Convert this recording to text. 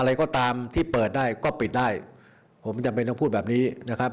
อะไรก็ตามที่เปิดได้ก็ปิดได้ผมจำเป็นต้องพูดแบบนี้นะครับ